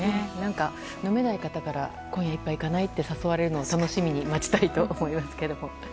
飲めない方から今夜一杯行かないと誘われるのを待ちたいと思いますけども。